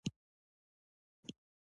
غزني د افغانستان د اقلیم ځانګړتیا ده.